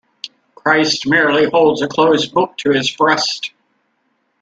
Christ merely holds a closed book to his breast.